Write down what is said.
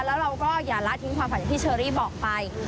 แล้วเราก็อย่าละทิ้งความฝันอย่างที่เชอรี่บอกไป